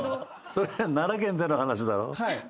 それ奈良県での話だろ。